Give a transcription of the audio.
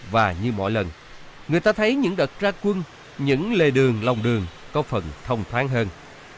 và như mỗi lần người ta thấy những đợt ra quân những lề đường lòng đường có phần thông thoáng hơn